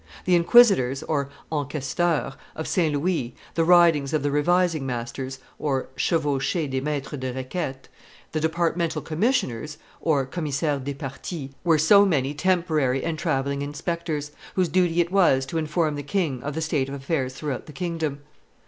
The inquisitors (enquesteurs) of St. Louis, the ridings of the revising masters (chevauehees des maitres des requetes), the departmental commissioners (commissaires departis) of Charles IX., were so many temporary and travelling inspectors, whose duty it was to inform the king of the state of affairs throughout the kingdom.